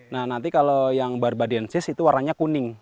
nah nanti kalau yang barbadiensi itu warnanya kuning